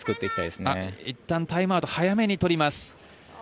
いったんタイムアウト早めに取ります。